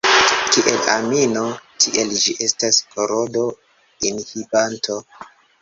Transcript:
Kiel amino, tiel ĝi estas korodo-inhibanto.